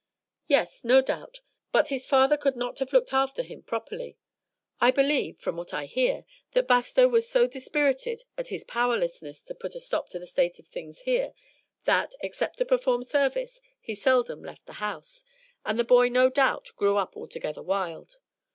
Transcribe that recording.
"Yes, no doubt; but his father could not have looked after him properly. I believe, from what I hear, that Bastow was so dispirited at his powerlessness to put a stop to the state of things here, that, except to perform service, he seldom left the house, and the boy no doubt grew up altogether wild.